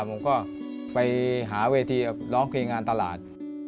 ผมก็ไปหาเวทีร้องเพลงงานตลาด